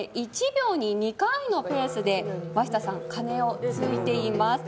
１秒に２回のペースで鷲田さん鐘をついています